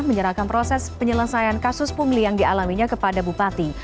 menyerahkan proses penyelesaian kasus pungli yang dialaminya kepada bupati